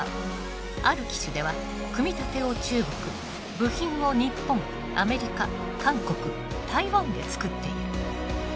ある機種では組み立てを中国部品を日本アメリカ韓国台湾で作っている。